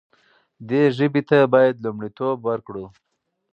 دې ژبې ته باید لومړیتوب ورکړو.